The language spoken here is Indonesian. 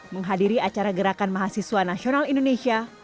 menghadiri acara gerakan mahasiswa nasional indonesia